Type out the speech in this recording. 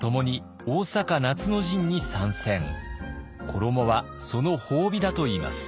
衣はその褒美だといいます。